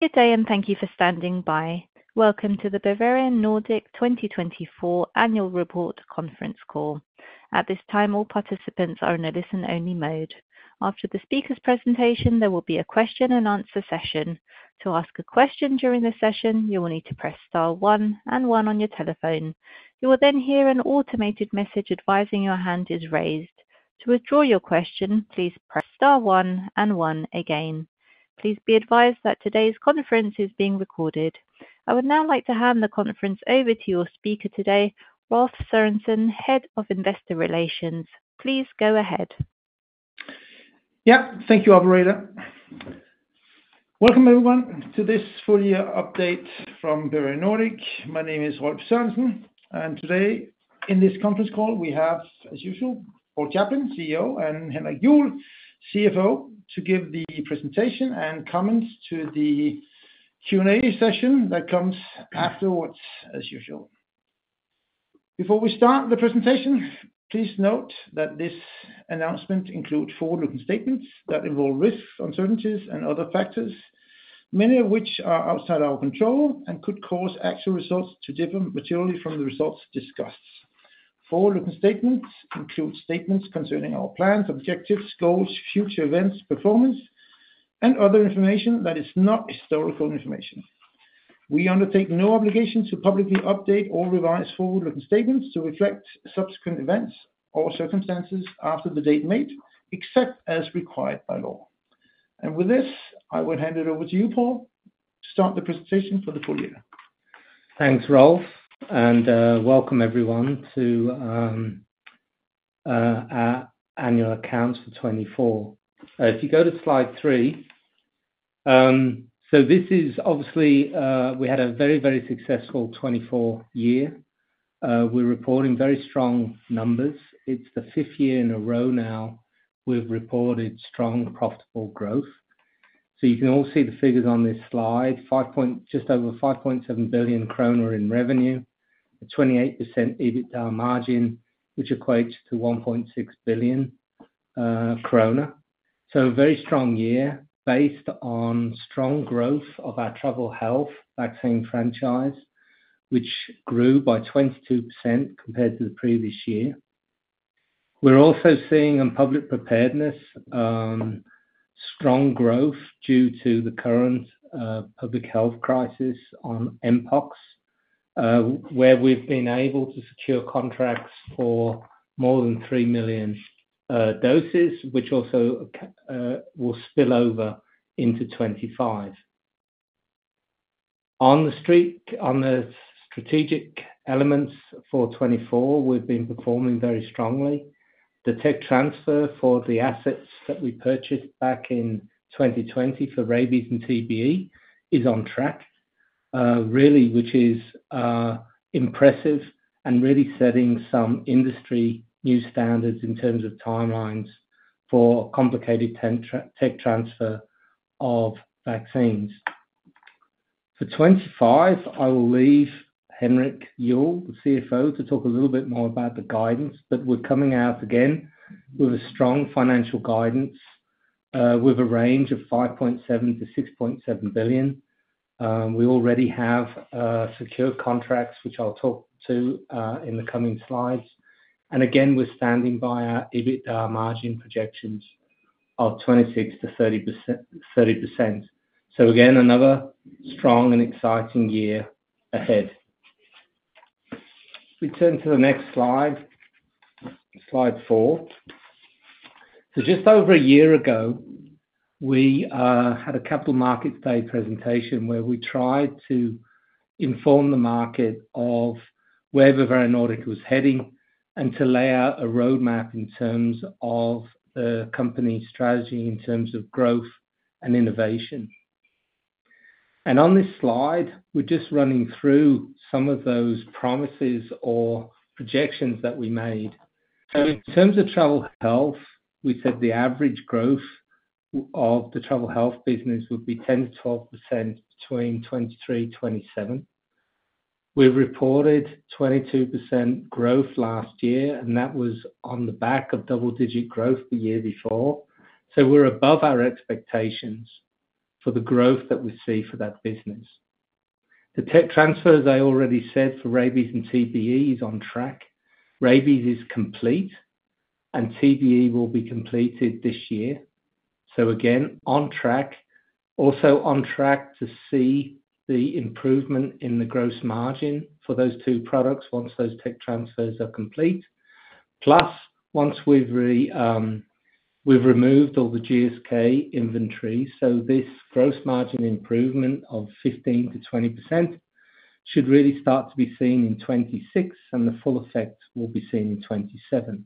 Good day, and thank you for standing by. Welcome to the Bavarian Nordic 2024 Annual Report Conference Call. At this time, all participants are in a listen-only mode. After the speakers' presentation, there will be a question-and-answer session. To ask a question during the session, you will need to press star one and one on your telephone. You will then hear an automated message advising your hand is raised. To withdraw your question, please press star one and one again. Please be advised that today's conference is being recorded. I would now like to hand the conference over to your speaker today, Rolf Sørensen, Head of Investor Relations. Please go ahead. Yep, thank you, operator. Welcome, everyone, to this full year update from Bavarian Nordic. My name is Rolf Sørensen, and today in this conference call, we have, as usual, Paul Chaplin, CEO, and Henrik Juuel, CFO, to give the presentation and comments to the Q&A session that comes afterwards, as usual. Before we start the presentation, please note that this announcement includes forward-looking statements that involve risks, uncertainties, and other factors, many of which are outside our control and could cause actual results to differ materially from the results discussed. Forward-looking statements include statements concerning our plans, objectives, goals, future events, performance, and other information that is not historical information. We undertake no obligation to publicly update or revise forward-looking statements to reflect subsequent events or circumstances after the date made, except as required by law. With this, I will hand it over to you, Paul, to start the presentation for the full year. Thanks, Rolf, and welcome everyone to our annual accounts for 2024. If you go to slide 3, so this is obviously we had a very, very successful 2024 year. We're reporting very strong numbers. It's the fifth year in a row now we've reported strong, profitable growth, so you can all see the figures on this slide: just over 5.7 billion kroner in revenue, a 28% EBITDA margin, which equates to 1.6 billion krone, so a very strong year based on strong growth of our travel health vaccine franchise, which grew by 22% compared to the previous year. We're also seeing in public preparedness strong growth due to the current public health crisis on Mpox, where we've been able to secure contracts for more than 3 million doses, which also will spill over into 2025. On the strategic elements for 2024, we've been performing very strongly. The tech transfer for the assets that we purchased back in 2020 for rabies and TBE is on track, really, which is impressive and really setting some industry new standards in terms of timelines for complicated tech transfer of vaccines. For 2025, I will leave Henrik Juuel, the CFO, to talk a little bit more about the guidance, but we're coming out again with a strong financial guidance with a range of 5.7 billion-6.7 billion. We already have secure contracts, which I'll talk to in the coming slides. And again, we're standing by our EBITDA margin projections of 26%-30%. So again, another strong and exciting year ahead. If we turn to the next slide, slide 4. Just over a year ago, we had a capital markets day presentation where we tried to inform the market of where Bavarian Nordic was heading and to lay out a roadmap in terms of the company's strategy in terms of growth and innovation. And on this slide, we're just running through some of those promises or projections that we made. So in terms of travel health, we said the average growth of the travel health business would be 10%-12% between 2023 and 2027. We reported 22% growth last year, and that was on the back of double-digit growth the year before. So we're above our expectations for the growth that we see for that business. The tech transfers, I already said, for rabies and TBE is on track. Rabies is complete, and TBE will be completed this year. So again, on track. Also on track to see the improvement in the gross margin for those two products once those tech transfers are complete, plus once we've removed all the GSK inventory. So this gross margin improvement of 15%-20% should really start to be seen in 2026, and the full effect will be seen in 2027.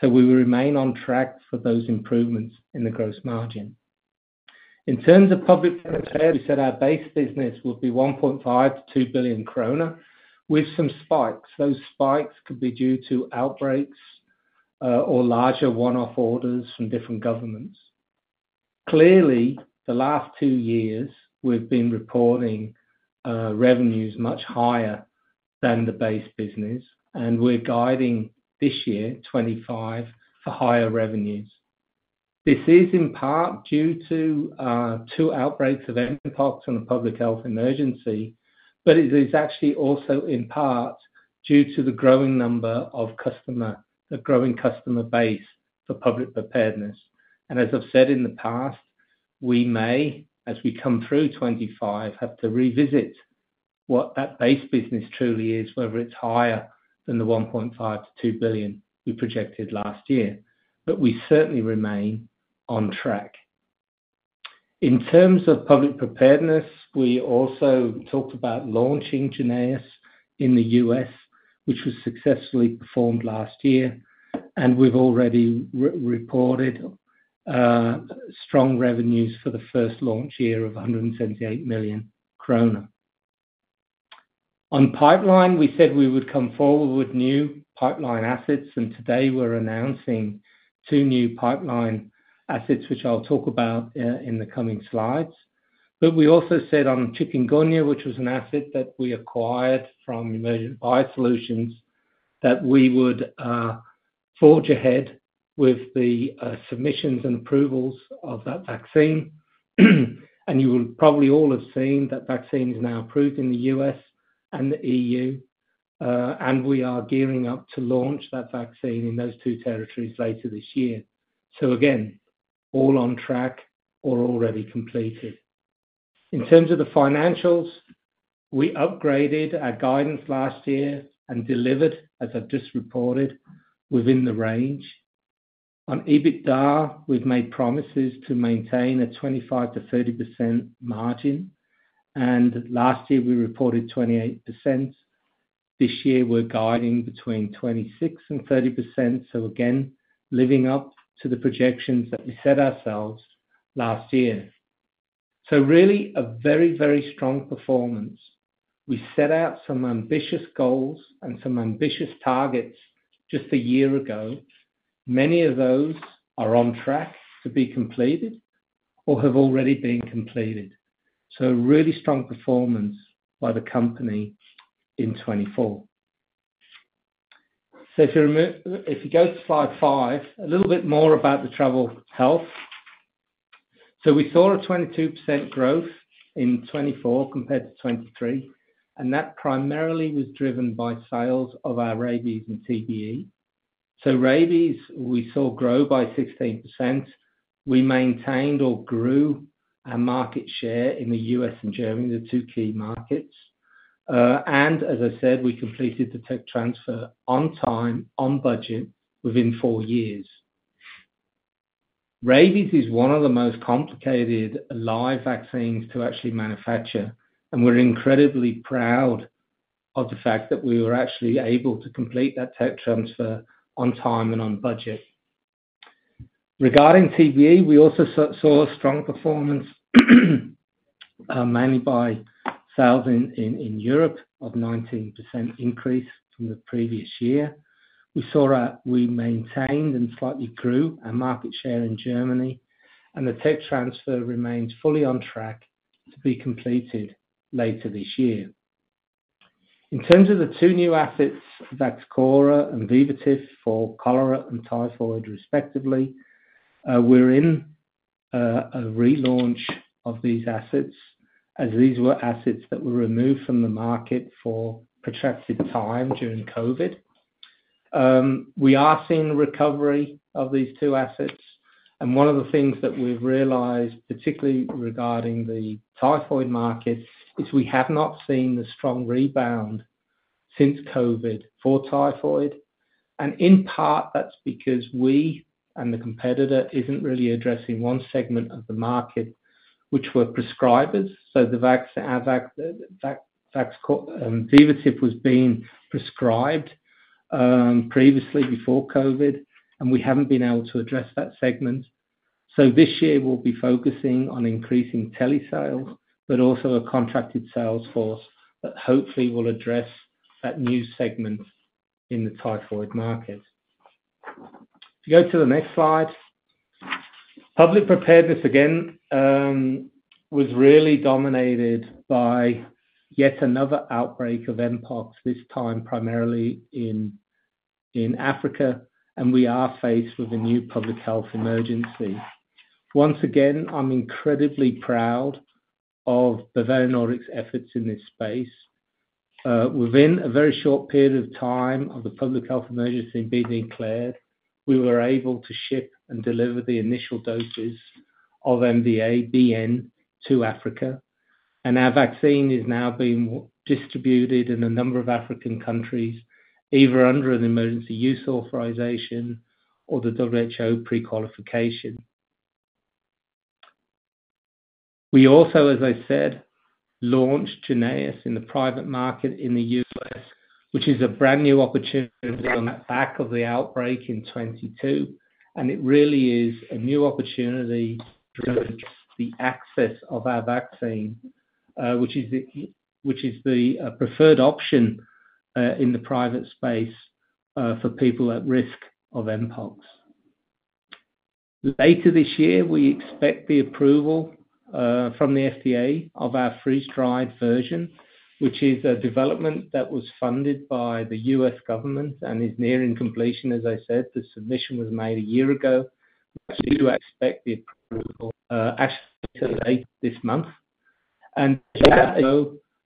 So we will remain on track for those improvements in the gross margin. In terms of Public Preparedness, we said our base business would be 1.5 billion-2 billion krone with some spikes. Those spikes could be due to outbreaks or larger one-off orders from different governments. Clearly, the last two years, we've been reporting revenues much higher than the base business, and we're guiding this year, 2025, for higher revenues. This is in part due to two outbreaks of Mpox and a public health emergency, but it is actually also in part due to the growing number of customers, the growing customer base for Public Preparedness. As I've said in the past, we may, as we come through 2025, have to revisit what that base business truly is, whether it's higher than the 1.5 billion-2 billion we projected last year, but we certainly remain on track. In terms of Public Preparedness, we also talked about launching JYNNEOS in the U.S., which was successfully performed last year, and we've already reported strong revenues for the first launch year of 178 million kroner. On pipeline, we said we would come forward with new pipeline assets, and today we're announcing two new pipeline assets, which I'll talk about in the coming slides. But we also said on Chikungunya, which was an asset that we acquired from Emergent BioSolutions, that we would forge ahead with the submissions and approvals of that vaccine. And you will probably all have seen that vaccine is now approved in the U.S. and the E.U., and we are gearing up to launch that vaccine in those two territories later this year. So again, all on track or already completed. In terms of the financials, we upgraded our guidance last year and delivered, as I've just reported, within the range. On EBITDA, we've made promises to maintain a 25%-30% margin, and last year we reported 28%. This year we're guiding between 26% and 30%. So again, living up to the projections that we set ourselves last year. So really a very, very strong performance. We set out some ambitious goals and some ambitious targets just a year ago. Many of those are on track to be completed or have already been completed, so really strong performance by the company in 2024, so if you go to slide five, a little bit more about the travel health, so we saw a 22% growth in 2024 compared to 2023, and that primarily was driven by sales of our rabies and TBE, so rabies, we saw grow by 16%. We maintained or grew our market share in the U.S. and Germany, the two key markets, and as I said, we completed the tech transfer on time, on budget, within four years. Rabies is one of the most complicated live vaccines to actually manufacture, and we're incredibly proud of the fact that we were actually able to complete that tech transfer on time and on budget. Regarding TBE, we also saw a strong performance, mainly by sales in Europe, of 19% increase from the previous year. We saw that we maintained and slightly grew our market share in Germany, and the tech transfer remains fully on track to be completed later this year. In terms of the two new assets, Vaxchora and Vivotif for cholera and typhoid, respectively, we're in a relaunch of these assets as these were assets that were removed from the market for protracted time during COVID. We are seeing the recovery of these two assets, and one of the things that we've realized, particularly regarding the typhoid market, is we have not seen the strong rebound since COVID for typhoid, and in part, that's because we and the competitor isn't really addressing one segment of the market, which were prescribers. The Vaxchora and Vivotif was being prescribed previously before COVID, and we haven't been able to address that segment. So this year, we'll be focusing on increasing tele-sales, but also a contracted sales force that hopefully will address that new segment in the typhoid market. If you go to the next slide, public preparedness again was really dominated by yet another outbreak of Mpox, this time primarily in Africa, and we are faced with a new public health emergency. Once again, I'm incredibly proud of Bavarian Nordic's efforts in this space. Within a very short period of time of the public health emergency being declared, we were able to ship and deliver the initial doses of MVA-BN to Africa, and our vaccine is now being distributed in a number of African countries, either under an emergency use authorization or the WHO pre-qualification. We also, as I said, launched JYNNEOS in the private market in the U.S., which is a brand new opportunity on the back of the outbreak in 2022, and it really is a new opportunity to access our vaccine, which is the preferred option in the private space for people at risk of Mpox. Later this year, we expect the approval from the FDA of our freeze-dried version, which is a development that was funded by the U.S. government and is nearing completion. As I said, the submission was made a year ago. We do expect the approval actually later this month, and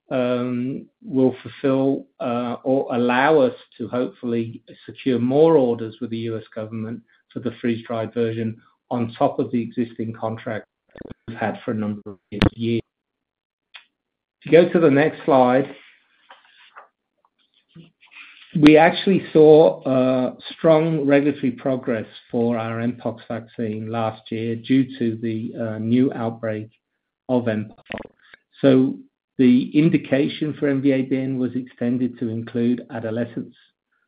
it will allow us to hopefully secure more orders with the U.S. government for the freeze-dried version on top of the existing contract we've had for a number of years. If you go to the next slide, we actually saw strong regulatory progress for our Mpox vaccine last year due to the new outbreak of Mpox, so the indication for MVA-BN was extended to include adolescents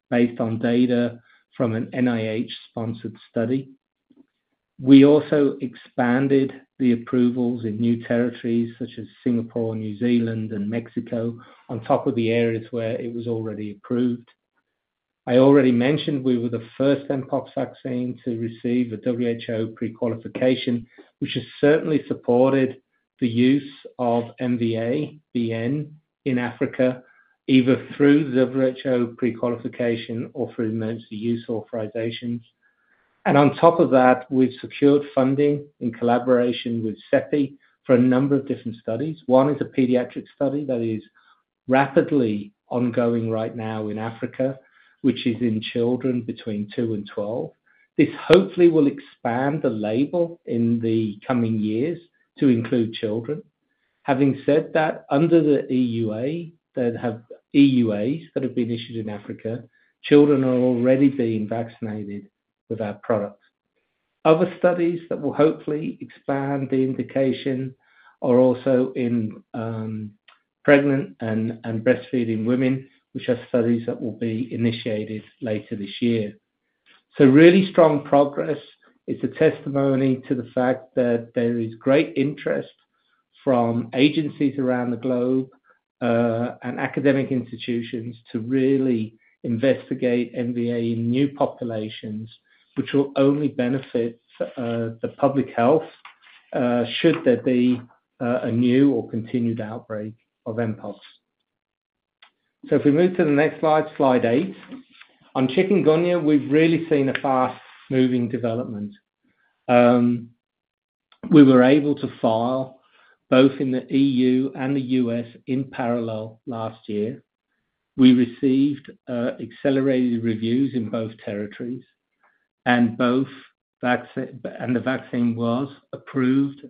based on data from an NIH-sponsored study. We also expanded the approvals in new territories such as Singapore, New Zealand, and Mexico on top of the areas where it was already approved. I already mentioned we were the first Mpox vaccine to receive a WHO pre-qualification, which has certainly supported the use of MVA-BN in Africa, either through the WHO pre-qualification or through emergency use authorizations, and on top of that, we've secured funding in collaboration with CEPI for a number of different studies. One is a pediatric study that is rapidly ongoing right now in Africa, which is in children between 2 and 12. This hopefully will expand the label in the coming years to include children. Having said that, under the EUAs that have been issued in Africa, children are already being vaccinated with our product. Other studies that will hopefully expand the indication are also in pregnant and breastfeeding women, which are studies that will be initiated later this year. So really strong progress is a testimony to the fact that there is great interest from agencies around the globe and academic institutions to really investigate MVA in new populations, which will only benefit the public health should there be a new or continued outbreak of Mpox. So if we move to the next slide, slide 8, on Chikungunya, we've really seen a fast-moving development. We were able to file both in the E.U. and the U.S. in parallel last year. We received accelerated reviews in both territories, and the vaccine was approved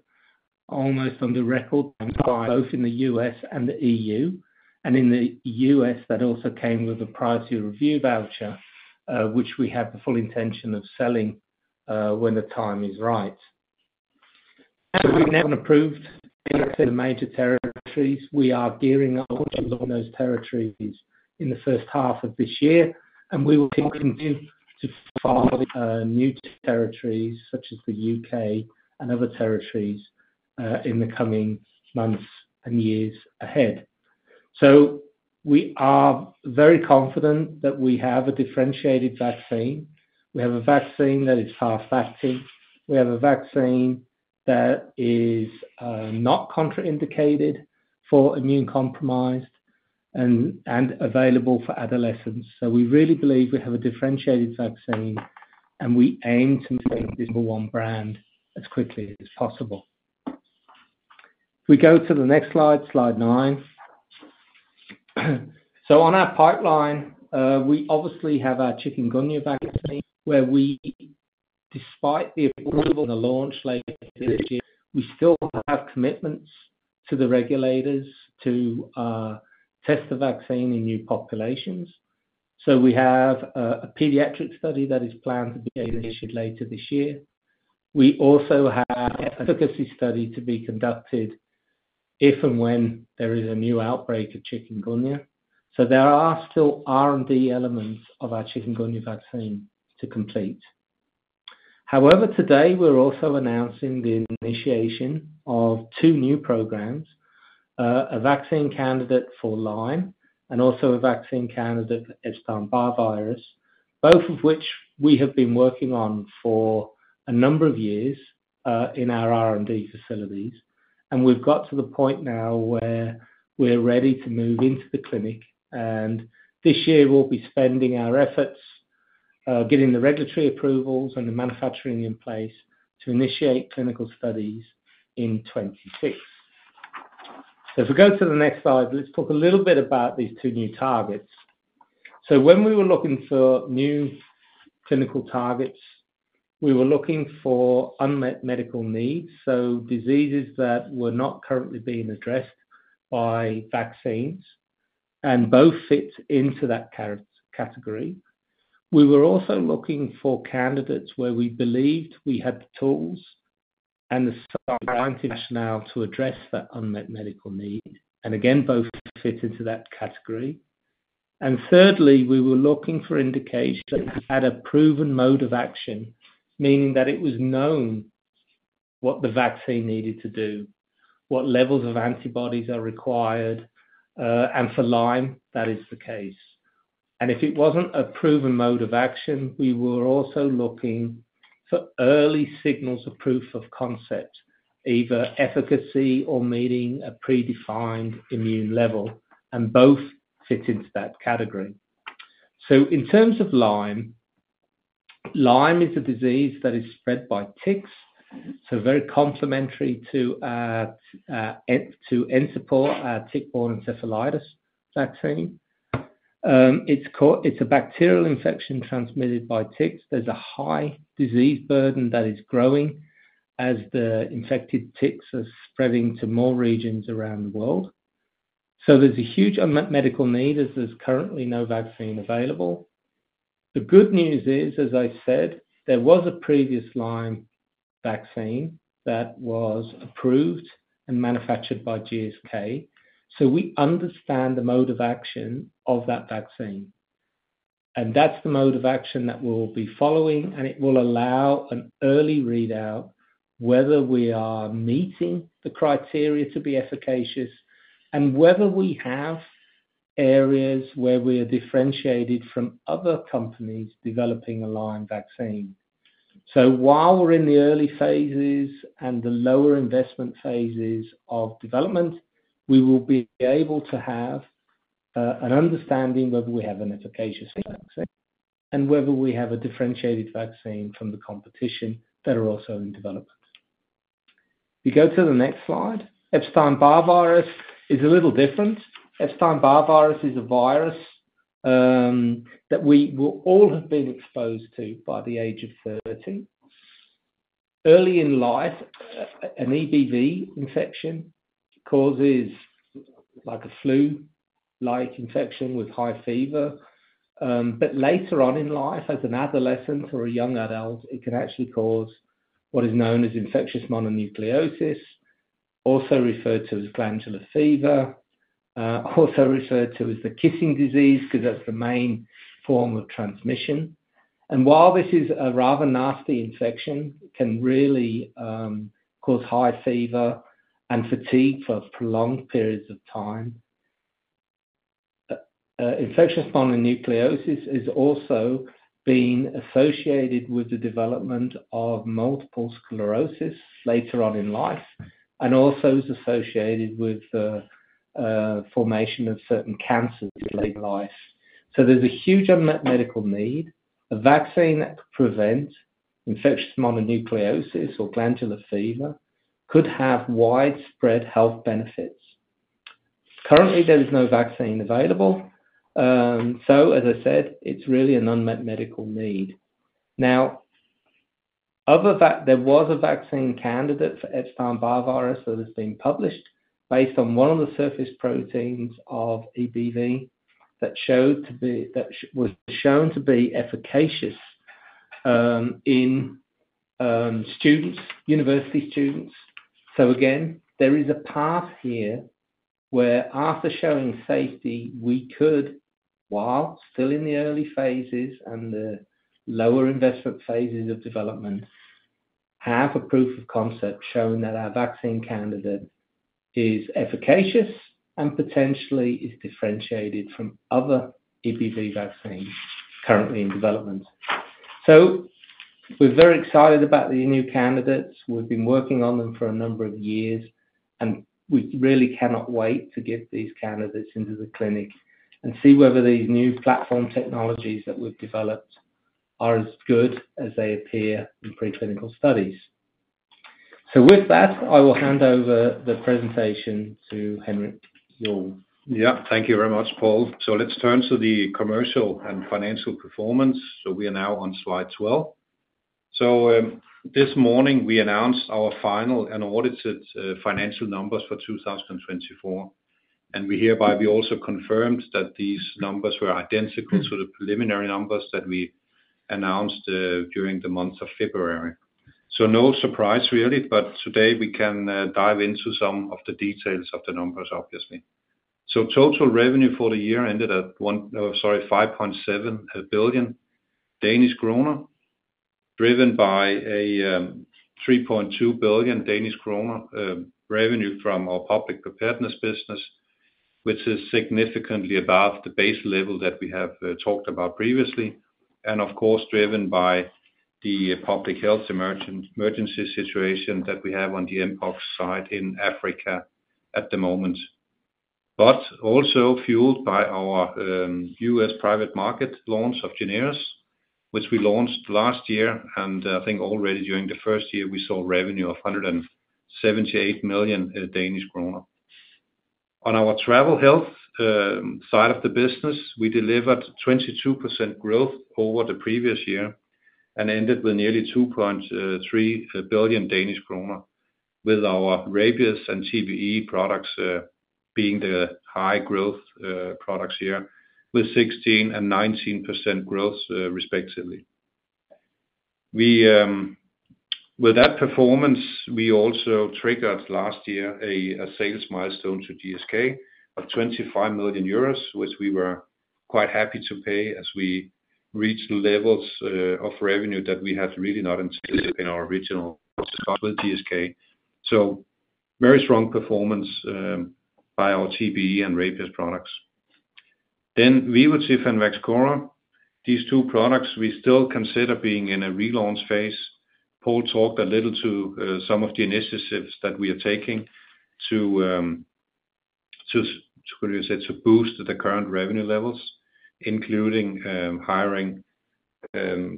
almost in record time both in the U.S. and the EU. And in the U.S., that also came with a Priority Review Voucher, which we have the full intention of selling when the time is right. We've now approved the major territories. We are gearing up on those territories in the first half of this year, and we will continue to file new territories such as the U.K. and other territories in the coming months and years ahead. So we are very confident that we have a differentiated vaccine. We have a vaccine that is fast-acting. We have a vaccine that is not contraindicated for immunocompromised and available for adolescents. So we really believe we have a differentiated vaccine, and we aim to make this number one brand as quickly as possible. If we go to the next slide, slide 9, so on our pipeline, we obviously have our Chikungunya vaccine, where we, despite the approval and the launch later this year, we still have commitments to the regulators to test the vaccine in new populations, so we have a pediatric study that is planned to be initiated later this year. We also have an efficacy study to be conducted if and when there is a new outbreak of Chikungunya, so there are still R&D elements of our Chikungunya vaccine to complete. However, today, we're also announcing the initiation of two new programs, a vaccine candidate for Lyme and also a vaccine candidate for Epstein-Barr Virus, both of which we have been working on for a number of years in our R&D facilities, and we've got to the point now where we're ready to move into the clinic. And this year, we'll be spending our efforts getting the regulatory approvals and the manufacturing in place to initiate clinical studies in 2026. So if we go to the next slide, let's talk a little bit about these two new targets. So when we were looking for new clinical targets, we were looking for unmet medical needs, so diseases that were not currently being addressed by vaccines, and both fit into that category. We were also looking for candidates where we believed we had the tools and the scientific rationale to address that unmet medical need. And again, both fit into that category. And thirdly, we were looking for indications that had a proven mode of action, meaning that it was known what the vaccine needed to do, what levels of antibodies are required, and for Lyme, that is the case. And if it wasn't a proven mode of action, we were also looking for early signals of proof of concept, either efficacy or meeting a predefined immune level, and both fit into that category. So in terms of Lyme, Lyme is a disease that is spread by ticks, so very complementary to Encepur, our tick-borne encephalitis vaccine. It's a bacterial infection transmitted by ticks. There's a high disease burden that is growing as the infected ticks are spreading to more regions around the world. So there's a huge unmet medical need as there's currently no vaccine available. The good news is, as I said, there was a previous Lyme vaccine that was approved and manufactured by GSK. So we understand the mode of action of that vaccine. That's the mode of action that we'll be following, and it will allow an early readout whether we are meeting the criteria to be efficacious and whether we have areas where we are differentiated from other companies developing a Lyme vaccine. So while we're in the early phases and the lower investment phases of development, we will be able to have an understanding whether we have an efficacious vaccine and whether we have a differentiated vaccine from the competition that are also in development. If you go to the next slide, Epstein-Barr Virus is a little different. Epstein-Barr Virus is a virus that we will all have been exposed to by the age of 30. Early in life, an EBV infection causes a flu-like infection with high fever. But later on in life, as an adolescent or a young adult, it can actually cause what is known as infectious mononucleosis, also referred to as glandular fever, also referred to as the kissing disease because that's the main form of transmission. And while this is a rather nasty infection, it can really cause high fever and fatigue for prolonged periods of time. Infectious mononucleosis has also been associated with the development of multiple sclerosis later on in life and also is associated with the formation of certain cancers late in life. So there's a huge unmet medical need. A vaccine that could prevent infectious mononucleosis or glandular fever could have widespread health benefits. Currently, there is no vaccine available. So, as I said, it's really an unmet medical need. Now, there was a vaccine candidate for Epstein-Barr Virus that has been published based on one of the surface proteins of EBV that was shown to be efficacious in students, university students. So again, there is a path here where, after showing safety, we could, while still in the early phases and the lower investment phases of development, have a proof of concept showing that our vaccine candidate is efficacious and potentially is differentiated from other EBV vaccines currently in development. So we're very excited about the new candidates. We've been working on them for a number of years, and we really cannot wait to get these candidates into the clinic and see whether these new platform technologies that we've developed are as good as they appear in preclinical studies. So with that, I will hand over the presentation to Henrik Juuel. Yeah, thank you very much, Paul. Let's turn to the commercial and financial performance. We are now on slide 12. This morning, we announced our final and audited financial numbers for 2024. Hereby, we also confirmed that these numbers were identical to the preliminary numbers that we announced during the month of February. No surprise, really, but today, we can dive into some of the details of the numbers, obviously. Total revenue for the year ended at, sorry, 5.7 billion Danish kroner, driven by a 3.2 billion Danish kroner revenue from our public preparedness business, which is significantly above the base level that we have talked about previously, and of course, driven by the public health emergency situation that we have on the Mpox side in Africa at the moment, but also fueled by our U.S. private market launch of JYNNEOS, which we launched last year. I think already during the first year, we saw revenue of 178 million Danish kroner. On our travel health side of the business, we delivered 22% growth over the previous year and ended with nearly 2.3 billion Danish kroner, with our rabies and TBE products being the high growth products here, with 16% and 19% growth, respectively. With that performance, we also triggered last year a sales milestone to GSK of 25 million euros, which we were quite happy to pay as we reached levels of revenue that we had really not anticipated in our original start with GSK. Very strong performance by our TBE and rabies products. Vivotif and Vaxchora, these two products, we still consider being in a relaunch phase. Paul talked a little to some of the initiatives that we are taking to, what do you say, to boost the current revenue levels, including hiring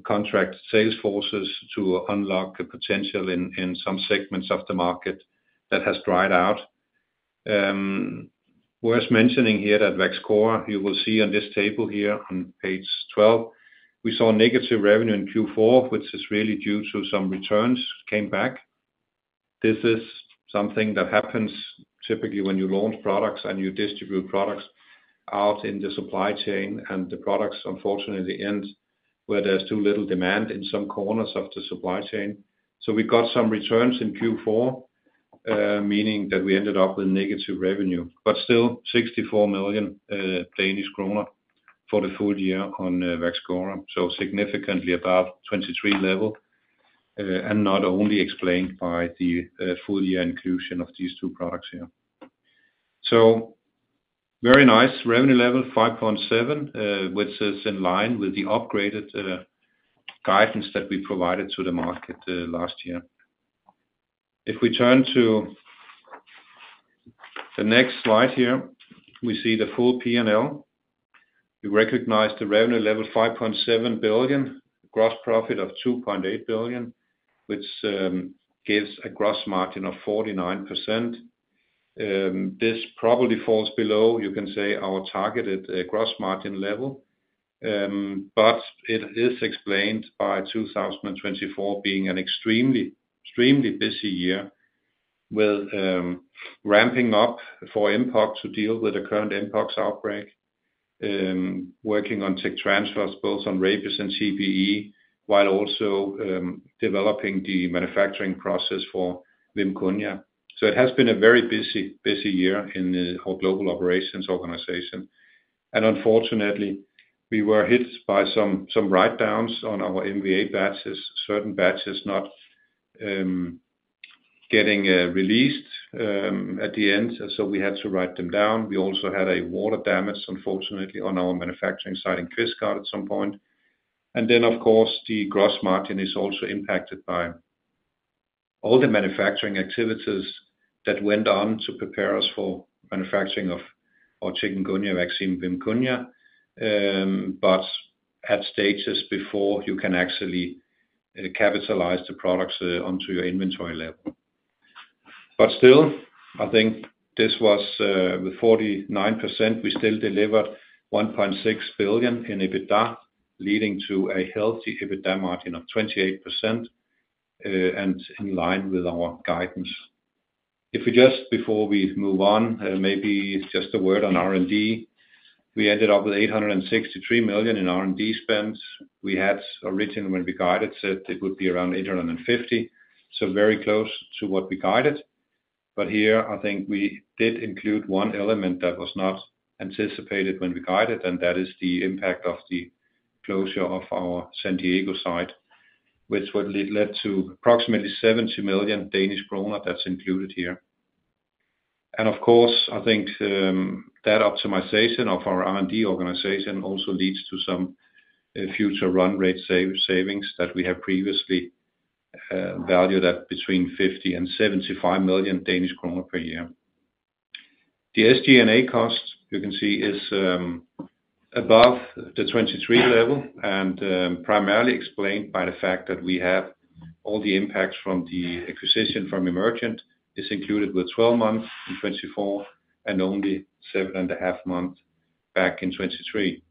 contract sales forces to unlock the potential in some segments of the market that has dried out. Worth mentioning here that Vaxchora, you will see on this table here on page 12, we saw negative revenue in Q4, which is really due to some returns came back. This is something that happens typically when you launch products and you distribute products out in the supply chain, and the products, unfortunately, end where there's too little demand in some corners of the supply chain. So, we got some returns in Q4, meaning that we ended up with negative revenue, but still 64 million Danish kroner for the full year on Vaxchora, so significantly above 23 level, and not only explained by the full year inclusion of these two products here. So, very nice revenue level, 5.7 billion, which is in line with the upgraded guidance that we provided to the market last year. If we turn to the next slide here, we see the full P&L. We recognize the revenue level, 5.7 billion, gross profit of 2.8 billion, which gives a gross margin of 49%. This probably falls below, you can say, our targeted gross margin level, but it is explained by 2024 being an extremely, extremely busy year with ramping up for Mpox to deal with the current Mpox outbreak, working on tech transfers, both on rabies and TBE, while also developing the manufacturing process for Chikungunya, so it has been a very busy, busy year in our global operations organization, and unfortunately, we were hit by some write-downs on our MVA batches, certain batches not getting released at the end, so we had to write them down. We also had a water damage, unfortunately, on our manufacturing site in Kvistgård at some point. Then, of course, the gross margin is also impacted by all the manufacturing activities that went on to prepare us for manufacturing of our Chikungunya vaccine, VIMKUNYA, but at stages before you can actually capitalize the products onto your inventory level. But still, I think this was with 49%, we still delivered 1.6 billion in EBITDA, leading to a healthy EBITDA margin of 28% and in line with our guidance. If we just, before we move on, maybe just a word on R&D. We ended up with 863 million in R&D spend. We had originally, when we guided, said it would be around 850 million, so very close to what we guided. But here, I think we did include one element that was not anticipated when we guided, and that is the impact of the closure of our San Diego site, which would lead to approximately 70 million Danish kroner that's included here. And of course, I think that optimization of our R&D organization also leads to some future run rate savings that we have previously valued at between 50 million and 75 million Danish kroner per year. The SG&A cost, you can see, is above the 2023 level and primarily explained by the fact that we have all the impacts from the acquisition from Emergent is included with 12 months in 2024 and only 7.5 months back in 2023.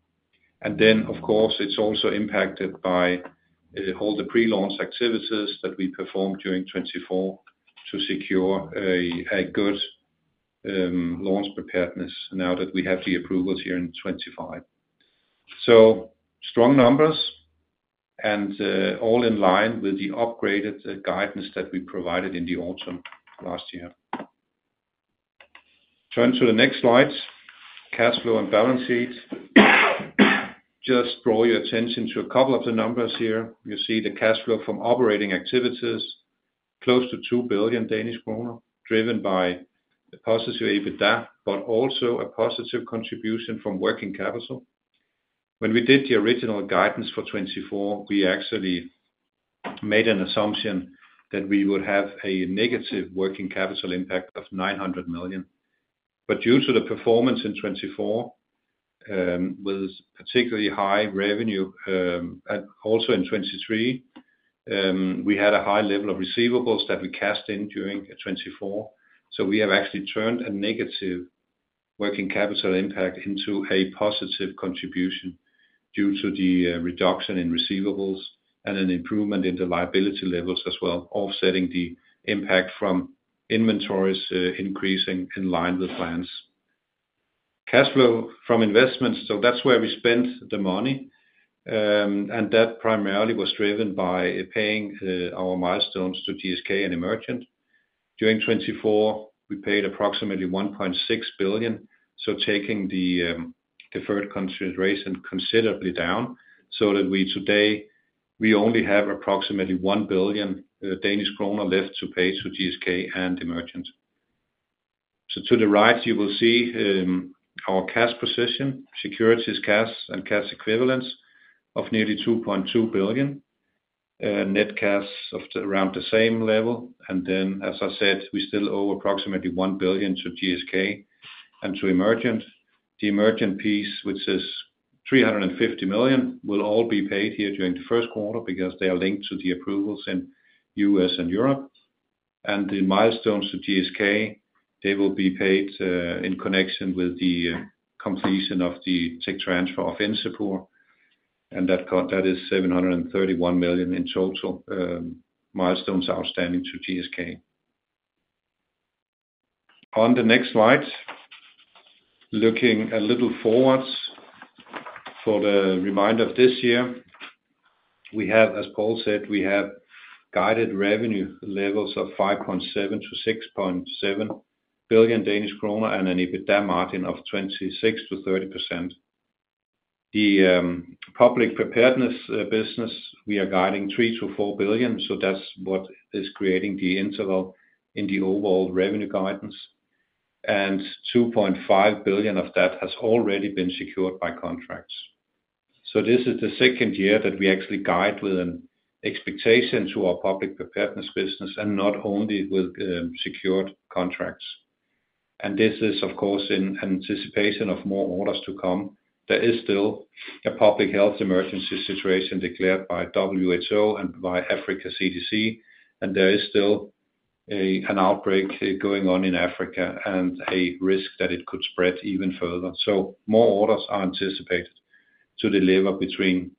And then, of course, it's also impacted by all the pre-launch activities that we performed during 2024 to secure a good launch preparedness now that we have the approvals here in 2025. So strong numbers and all in line with the upgraded guidance that we provided in the autumn last year. Turn to the next slide, cash flow and balance sheet. Just draw your attention to a couple of the numbers here. You see the cash flow from operating activities, close to DKK 2 billion, driven by a positive EBITDA, but also a positive contribution from working capital. When we did the original guidance for 2024, we actually made an assumption that we would have a negative working capital impact of 900 million. But due to the performance in 2024, with particularly high revenue, and also in 2023, we had a high level of receivables that we cashed in during 2024. So we have actually turned a negative working capital impact into a positive contribution due to the reduction in receivables and an improvement in the liability levels as well, offsetting the impact from inventories increasing in line with plans. Cash flow from investments, so that's where we spent the money, and that primarily was driven by paying our milestones to GSK and Emergent. During 2024, we paid approximately 1.6 billion, so taking the deferred consideration considerably down, so that we today, we only have approximately 1 billion Danish kroner left to pay to GSK and Emergent. So to the right, you will see our cash position, securities, cash, and cash equivalents of nearly 2.2 billion, net cash of around the same level. Then, as I said, we still owe approximately 1 billion to GSK and to Emergent. The Emergent piece, which is 350 million, will all be paid here during the first quarter because they are linked to the approvals in the U.S. and Europe. The milestones to GSK, they will be paid in connection with the completion of the tech transfer of Encepur, and that is 731 million in total milestones outstanding to GSK. On the next slide, looking a little forward for the remainder of this year, we have, as Paul said, we have guided revenue levels of 5.7 billion- 6.7 billion Danish kroner and an EBITDA margin of 26%-30%. The public preparedness business, we are guiding 3 billion- 4 billion, so that's what is creating the interval in the overall revenue guidance and 2.5 billion of that has already been secured by contracts. This is the second year that we actually guide with an expectation to our Public Preparedness business and not only with secured contracts. This is, of course, in anticipation of more orders to come. There is still a public health emergency situation declared by WHO and by Africa CDC, and there is still an outbreak going on in Africa and a risk that it could spread even further. More orders are anticipated to deliver between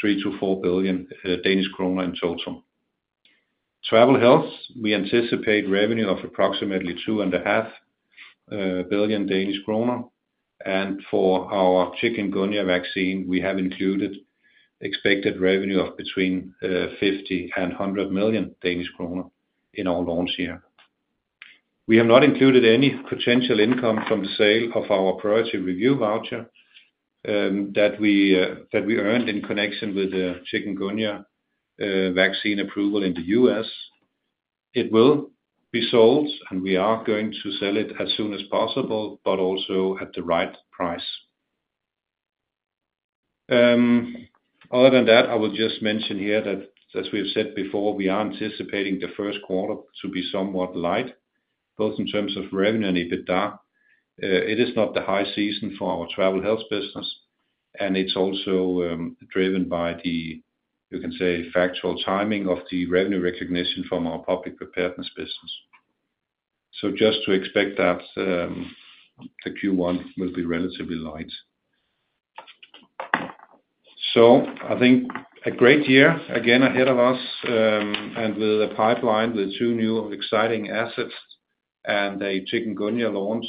3 billion- 4 billion Danish kroner in total. Travel Health, we anticipate revenue of approximately 2.5 billion Danish kroner. For our Chikungunya vaccine, we have included expected revenue of between 50 million Danish kroner and 100 million in our launch year. We have not included any potential income from the sale of our Priority Review Voucher that we earned in connection with the Chikungunya vaccine approval in the U.S. It will be sold, and we are going to sell it as soon as possible, but also at the right price. Other than that, I will just mention here that, as we've said before, we are anticipating the first quarter to be somewhat light, both in terms of revenue and EBITDA. It is not the high season for our travel health business, and it's also driven by the, you can say, factual timing of the revenue recognition from our public preparedness business. So just to expect that the Q1 will be relatively light. So I think a great year again ahead of us and with a pipeline with two new exciting assets and a Chikungunya launch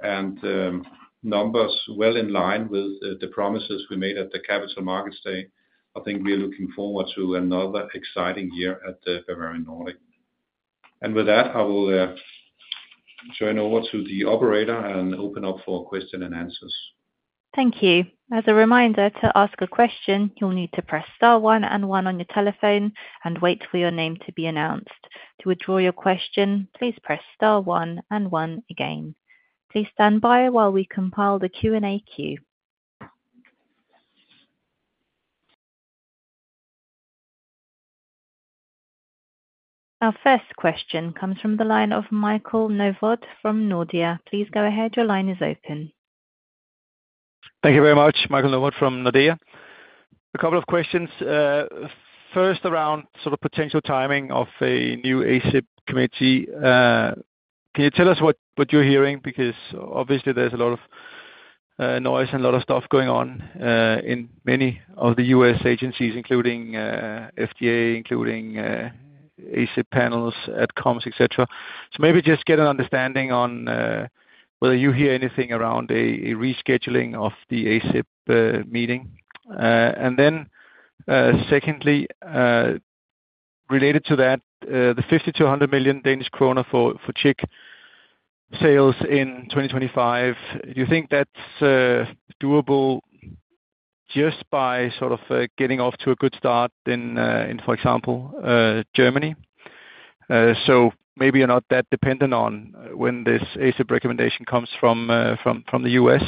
and numbers well in line with the promises we made at the Capital Markets Day. I think we are looking forward to another exciting year at Bavarian Nordic. With that, I will turn over to the operator and open up for questions and answers. Thank you. As a reminder, to ask a question, you'll need to press star one and one on your telephone and wait for your name to be announced. To withdraw your question, please press star one and one again. Please stand by while we compile the Q&A queue. Our first question comes from the line of Michael Novod from Nordea. Please go ahead. Your line is open. Thank you very much, Michael Novod from Nordea. A couple of questions. First, around sort of potential timing of a new ACIP committee. Can you tell us what you're hearing? Because obviously, there's a lot of noise and a lot of stuff going on in many of the U.S. agencies, including FDA, including ACIP panels, ADCOMs, etc. So maybe just get an understanding on whether you hear anything around a rescheduling of the ACIP meeting. And then secondly, related to that, the 50 million-100 million Danish kroner for Chik sales in 2025, do you think that's doable just by sort of getting off to a good start in, for example, Germany? So maybe you're not that dependent on when this ACIP recommendation comes from the U.S.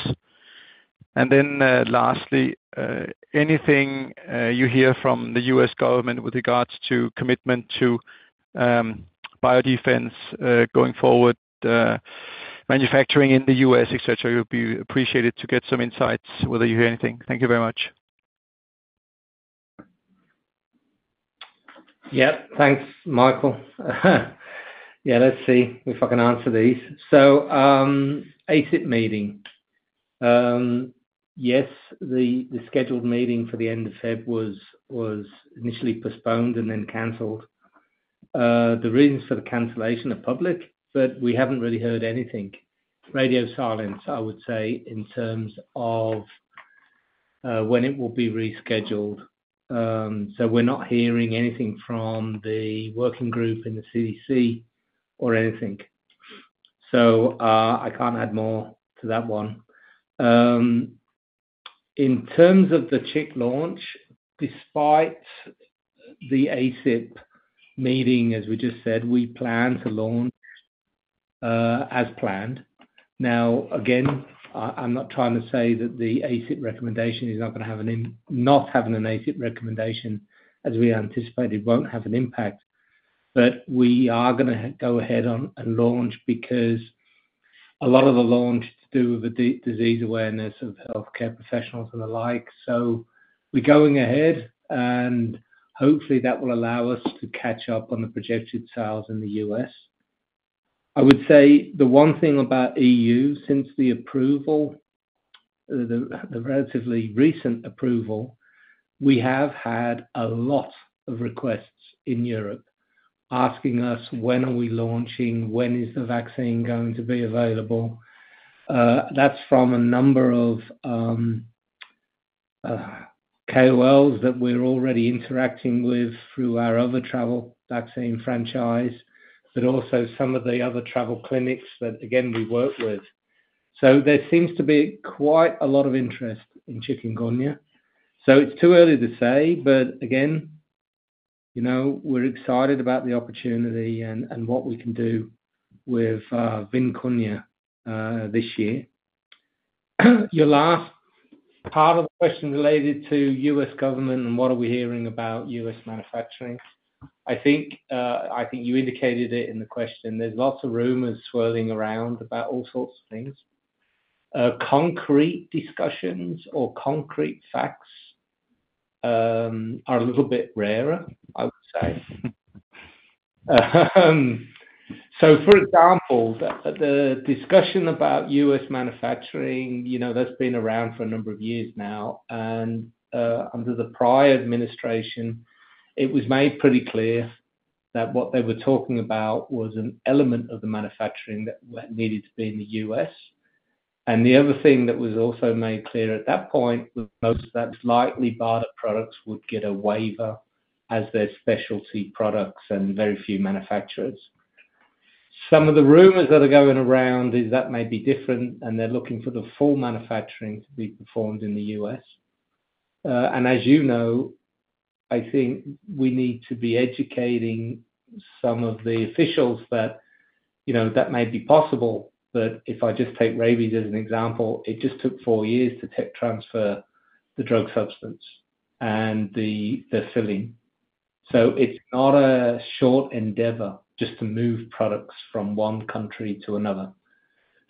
And then lastly, anything you hear from the U.S. government with regards to commitment to biodefense going forward, manufacturing in the U.S., etc., would be appreciated to get some insights whether you hear anything. Thank you very much. Yep. Thanks, Michael. Yeah, let's see if I can answer these. So ACIP meeting. Yes, the scheduled meeting for the end of February was initially postponed and then canceled. The reasons for the cancellation are public, but we haven't really heard anything. Radio silence, I would say, in terms of when it will be rescheduled. So we're not hearing anything from the working group in the CDC or anything. So I can't add more to that one. In terms of the Chik launch, despite the ACIP meeting, as we just said, we plan to launch as planned. Now, again, I'm not trying to say that the ACIP recommendation is not going to have an impact. Not having an ACIP recommendation, as we anticipated, won't have an impact. We are going to go ahead and launch because a lot of the launch is to do with the disease awareness of healthcare professionals and the like. We're going ahead, and hopefully, that will allow us to catch up on the projected sales in the U.S. I would say the one thing about EU, since the approval, the relatively recent approval, we have had a lot of requests in Europe asking us, "When are we launching? When is the vaccine going to be available?" That's from a number of KOLs that we're already interacting with through our other travel vaccine franchise, but also some of the other travel clinics that, again, we work with. There seems to be quite a lot of interest in Chikungunya. It's too early to say, but again, we're excited about the opportunity and what we can do with VIMKUNYA this year. Your last part of the question related to U.S. government and what are we hearing about U.S. manufacturing. I think you indicated it in the question. There's lots of rumors swirling around about all sorts of things. Concrete discussions or concrete facts are a little bit rarer, I would say. For example, the discussion about U.S. manufacturing, that's been around for a number of years now. And under the prior administration, it was made pretty clear that what they were talking about was an element of the manufacturing that needed to be in the U.S. And the other thing that was also made clear at that point was most likely BARDA products would get a waiver as they're specialty products and very few manufacturers. Some of the rumors that are going around is that may be different, and they're looking for the full manufacturing to be performed in the U.S. And as you know, I think we need to be educating some of the officials that that may be possible. But if I just take rabies as an example, it just took four years to tech transfer the drug substance and the facility. So it's not a short endeavor just to move products from one country to another.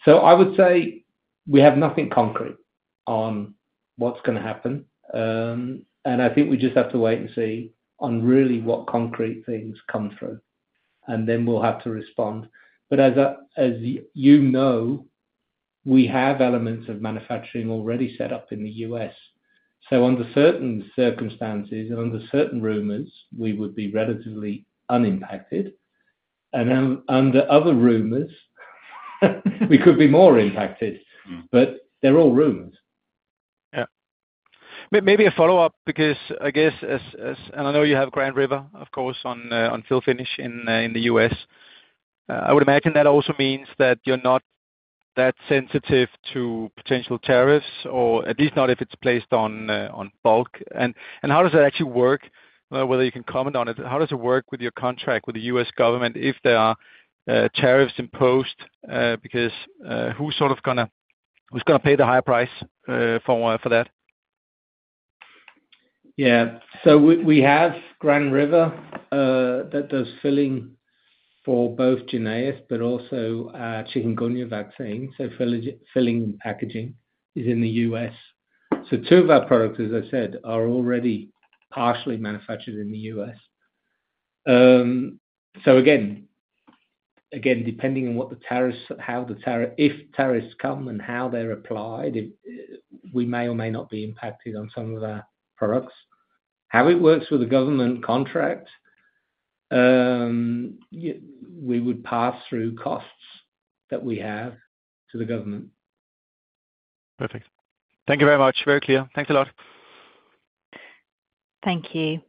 So I would say we have nothing concrete on what's going to happen. And I think we just have to wait and see on really what concrete things come through, and then we'll have to respond. But as you know, we have elements of manufacturing already set up in the U.S. So under certain circumstances and under certain rumors, we would be relatively unimpacted. Under other rumors, we could be more impacted. They're all rumors. Yeah. Maybe a follow-up because I guess, and I know you have Grand River, of course, on fill finish in the U.S. I would imagine that also means that you're not that sensitive to potential tariffs, or at least not if it's placed on bulk, and how does that actually work? Whether you can comment on it, how does it work with your contract with the U.S. government if there are tariffs imposed? Because who's sort of going to pay the higher price for that? Yeah. So we have Grand River that does filling for both JYNNEOS, but also Chikungunya vaccine. So filling packaging is in the U.S.. So two of our products, as I said, are already partially manufactured in the U.S. So again, depending on how the tariffs come and how they're applied, we may or may not be impacted on some of our products. How it works with the government contract, we would pass through costs that we have to the government. Perfect. Thank you very much. Very clear. Thanks a lot. Thank you.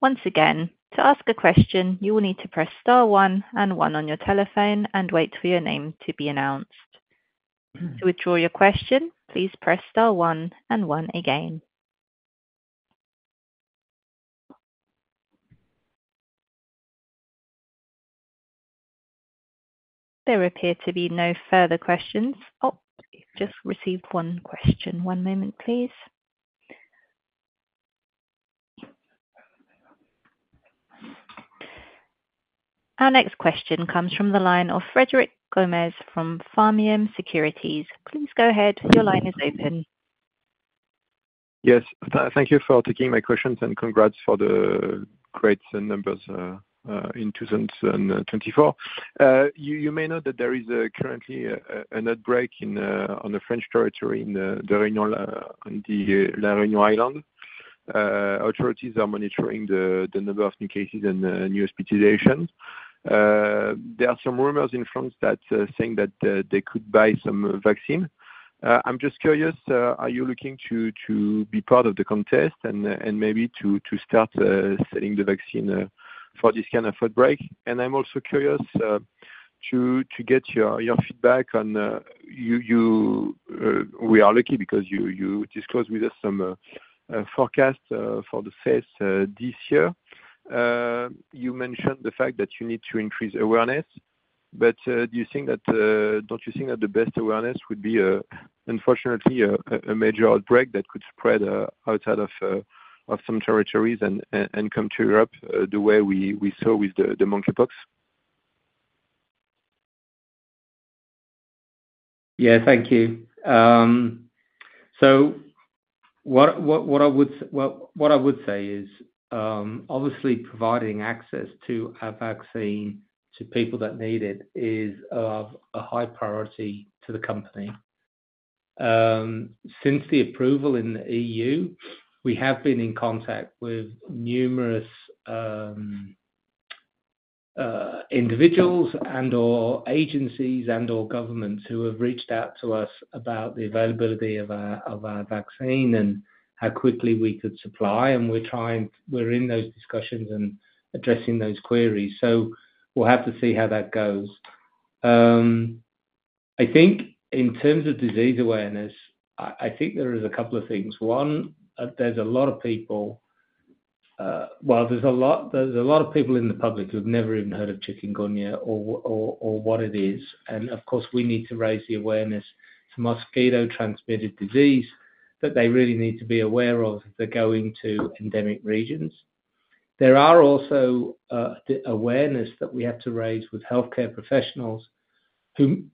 Once again, to ask a question, you will need to press star one and one on your telephone and wait for your name to be announced. To withdraw your question, please press star one and one again. There appear to be no further questions. Oh, just received one question. One moment, please. Our next question comes from the line of Frédéric Gomez from Pharmium Securities. Please go ahead. Your line is open. Yes. Thank you for taking my questions and congrats for the great numbers in 2024. You may know that there is currently an outbreak on the French territory in the a Réunion Island. Authorities are monitoring the number of new cases and new hospitalizations. There are some rumors in France saying that they could buy some vaccine. I'm just curious, are you looking to be part of the contest and maybe to start selling the vaccine for this kind of outbreak? And I'm also curious to get your feedback on we are lucky because you disclosed with us some forecasts for the FES this year. You mentioned the fact that you need to increase awareness. But don't you think that the best awareness would be, unfortunately, a major outbreak that could spread outside of some territories and come to Europe the way we saw with the monkeypox? Yeah. Thank you. So what I would say is, obviously, providing access to a vaccine to people that need it is of a high priority to the company. Since the approval in the EU, we have been in contact with numerous individuals and/or agencies and/or governments who have reached out to us about the availability of our vaccine and how quickly we could supply. And we're in those discussions and addressing those queries. So we'll have to see how that goes. I think in terms of disease awareness, I think there is a couple of things. One, there's a lot of people in the public who've never even heard of Chikungunya or what it is. And of course, we need to raise the awareness to mosquito-transmitted disease that they really need to be aware of if they're going to endemic regions. There are also awareness that we have to raise with healthcare professionals who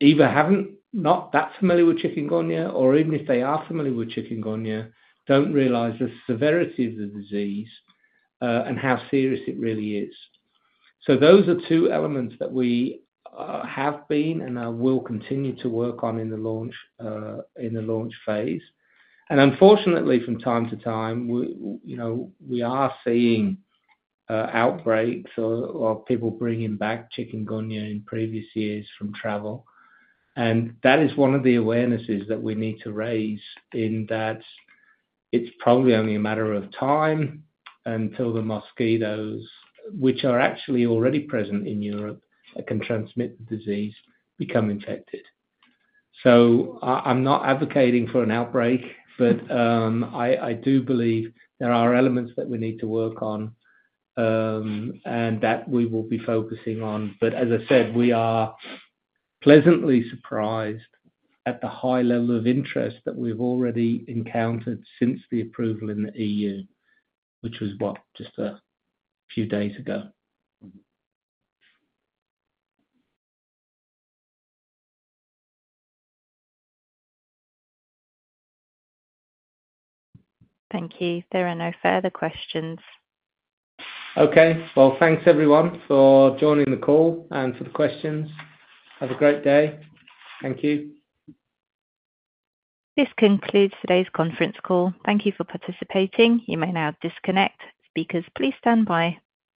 either have not been that familiar with Chikungunya, or even if they are familiar with Chikungunya, don't realize the severity of the disease and how serious it really is. So those are two elements that we have been and will continue to work on in the launch phase. And unfortunately, from time to time, we are seeing outbreaks or people bringing back Chikungunya in previous years from travel. And that is one of the awarenesses that we need to raise in that it's probably only a matter of time until the mosquitoes, which are actually already present in Europe and can transmit the disease, become infected. I'm not advocating for an outbreak, but I do believe there are elements that we need to work on and that we will be focusing on. As I said, we are pleasantly surprised at the high level of interest that we've already encountered since the approval in the EU, which was, what, just a few days ago. Thank you. There are no further questions. Okay. Well, thanks, everyone, for joining the call and for the questions. Have a great day. Thank you. This concludes today's conference call. Thank you for participating. You may now disconnect. Speakers, please stand by.